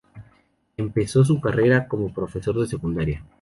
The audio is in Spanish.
Empezó su carrera como profesor de secundaria.